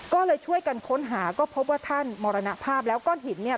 ก็เลยช่วยกันค้นหาก็พบว่าท่านมรณภาพแล้วก้อนหินเนี่ย